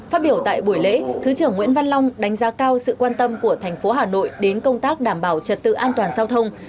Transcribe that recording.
phát biểu tại buổi lễ thứ trưởng nguyễn văn long đánh giá cao sự quan tâm của thành phố hà nội đến công tác đảm bảo trật tự an toàn giao thông